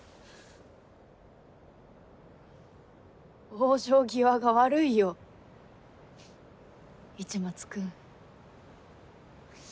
往生際が悪いよ市松君。